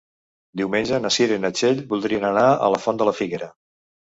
Diumenge na Cira i na Txell voldrien anar a la Font de la Figuera.